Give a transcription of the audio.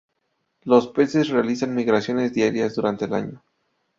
Los peces realizan migraciones diarias durante el día.